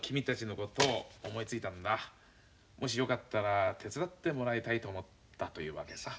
もしよかったら手伝ってもらいたいと思ったというわけさ。